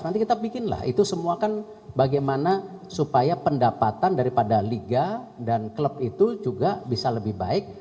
nanti kita bikinlah itu semua kan bagaimana supaya pendapatan daripada liga dan klub itu juga bisa lebih baik